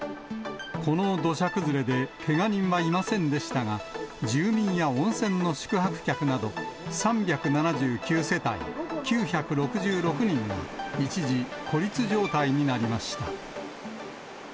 この土砂崩れでけが人はいませんでしたが、住民や温泉の宿泊客など３７９世帯９６６人が一時、孤立状態になりました。